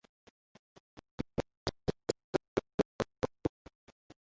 জীবনের শেষদিকে স্নায়বিক দূর্বলতায় ভোগেন।